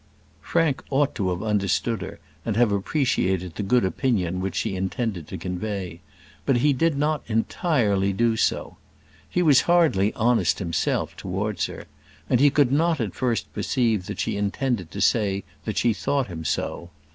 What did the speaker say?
Frank ought to have understood her, and have appreciated the good opinion which she intended to convey; but he did not entirely do so. He was hardly honest himself towards her; and he could not at first perceive that she intended to say that she thought him so.